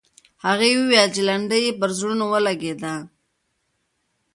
هغې وویل چې لنډۍ یې پر زړونو ولګېده.